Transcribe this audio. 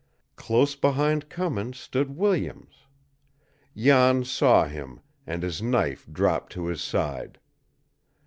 Close behind Cummins stood Williams. Jan saw him, and his knife dropped to his side.